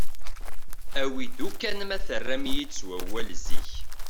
Awi-d ukkan ma terram-iyi-d s wawal zik.